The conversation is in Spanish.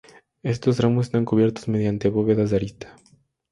Estos tramos están cubiertos mediante bóvedas de arista.